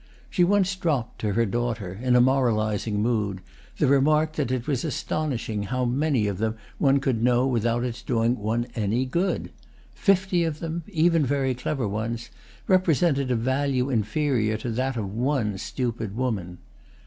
She once dropped, to her daughter, in a moralising mood, the remark that it was astonishing how many of them one could know without its doing one any good. Fifty of them—even very clever ones—represented a value inferior to that of one stupid woman.